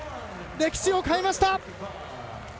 歴史を変えました！